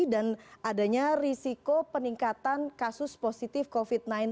dan adanya risiko peningkatan kasus positif covid sembilan belas